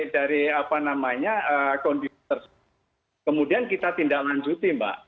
dari apa namanya kemudian kita tindak lanjuti mbak